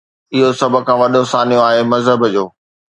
اهو سڀ کان وڏو سانحو آهي مذهب جو.